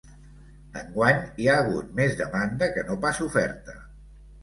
Enguany hi ha hagut més demanda que no pas oferta.